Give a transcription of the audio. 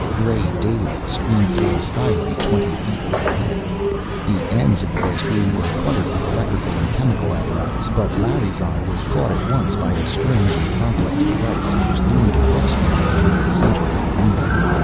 Gray daylight streamed through a sky light, twenty feet overhead. The ends of the vast room were cluttered with electrical and chemical apparatus; but Larry's eye was caught at once by a strange and complex device, which loomed across from him, in the center of the floor.